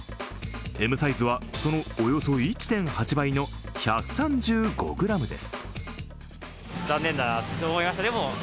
Ｍサイズはその１．８倍の１３５ｇです。